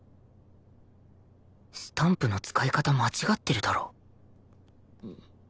スタンプの使い方間違ってるだろ